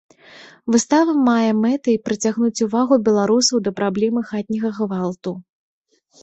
Выстава мае мэтай прыцягнуць увагу беларусаў да праблемы хатняга гвалту.